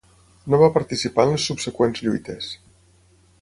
No va participar en les subseqüents lluites.